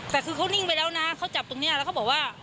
แต่คือเขานิ่งไปแล้วนะเขาจับตรงนี้แล้วเขาบอกว่า